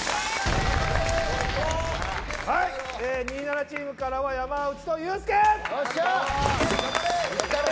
「２７」チームからは山内とユースケ！